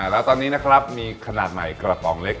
แล้วตอนนี้นะครับมีขนาดใหม่กระป๋องเล็ก